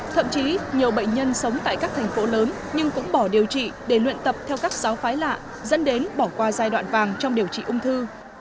thậm chí nhiều bệnh nhân sống tại các thành phố lớn nhưng cũng bỏ điều trị để luyện tập theo các giáo phái lạ dẫn đến bỏ qua giai đoạn vàng trong điều trị ung thư